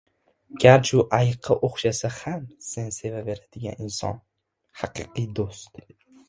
• Garchi u ayiqqa o‘xshasa ham sen sevaveradigan inson — haqiqiy do‘st.